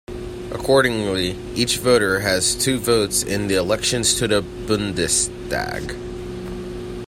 Accordingly, each voter has two votes in the elections to the Bundestag.